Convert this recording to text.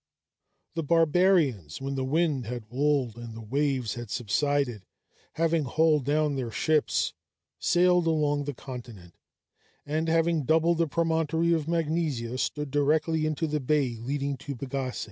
The barbarians, when the wind had lulled and the waves had subsided, having hauled down their ships, sailed along the continent; and having doubled the promontory of Magnesia, stood directly into the bay leading to Pagasæ.